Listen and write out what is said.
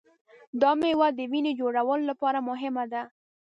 دا مېوه د وینې جوړولو لپاره مهمه ده.